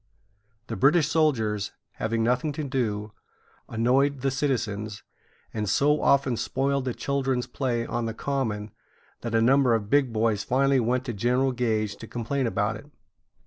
The British soldiers, having nothing to do, annoyed the citizens, and so often spoiled the children's play on the Common, that a number of big boys finally went to General Gage to complain about it.